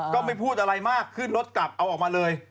ก็ไม่พูดอะไรมากขึ้นรถกลับเอาออกมาเลย